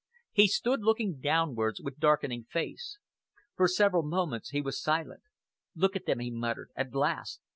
He stood looking downwards with darkening face. For several moments he was silent. "Look at them!" he muttered. "At last!